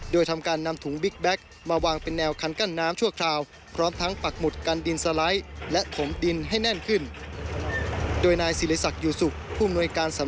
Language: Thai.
โดยทำการนำถุงบิ๊กแบ็คมาวางเป็นแนวคันกั้นน้ำชั่วคราว